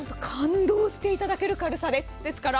感動していただける軽さです。